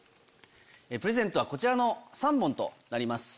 プレゼントはこちらの３本となります。